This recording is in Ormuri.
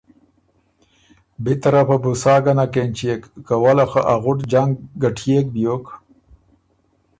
بی طرفه بُو سا ګۀ نک اېنچيېک که وله خه ا غُټ جنګ ګټيېک بیوک